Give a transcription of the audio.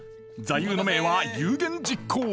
座右の銘は「有言実行」。